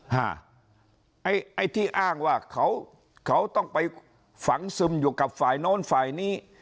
ไอ้ไอ้ที่อ้างว่าเขาเขาต้องไปฝังซึมอยู่กับฝ่ายโน้นฝ่ายนี้